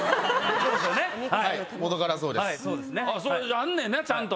あんねんなちゃんと。